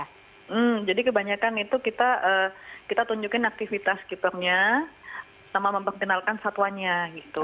hmm jadi kebanyakan itu kita tunjukin aktivitas keepernya sama memperkenalkan satwanya gitu